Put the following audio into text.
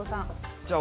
じゃあ俺。